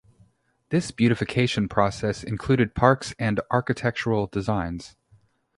This beautification process included parks and architectural design.